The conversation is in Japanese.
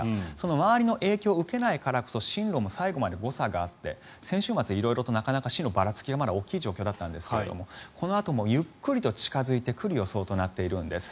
周りの影響を受けないからこそ進路も最後まで誤差があって先週末、色々と進路のばらつきが大きい状況だったんですがこのあともゆっくりと近付いてくる予想となっているんです。